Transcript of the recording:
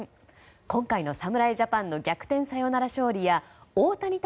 今回の侍ジャパンの逆転サヨナラ勝利や大谷対